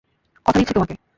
কথা দিচ্ছি তোমাকে!